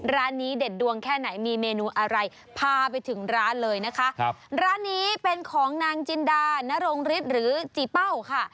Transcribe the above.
ร้านนี้เด็ดดวงแค่ไหนมีเมนูอะไรพาไปถึงร้านเลยนะคะครับร้านนี้เป็นของนางจินดานรงฤทธิ์หรือจีเป้าค่ะ